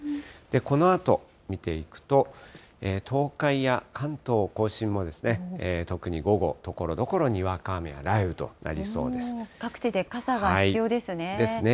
このあと見ていくと、東海や関東甲信も特に午後、ところどころ、各地で傘が必要ですね。ですね。